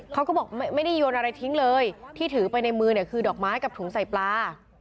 เขาก็บอกไม่ได้โยนอะไรทิ้งเลยที่ถือไปในมือเนี่ยคือดอกไม้กับถุงใส่ปลา